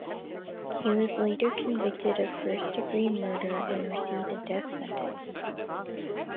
He was later convicted of first-degree murder and received a death sentence.